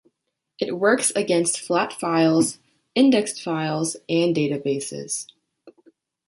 It works against flat files, indexed files, and databases.